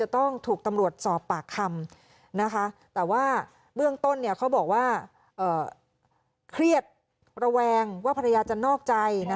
แต่ว่าเบื้องต้นเขาบอกว่าเครียดระแวงว่าภรรยาจะนอกใจ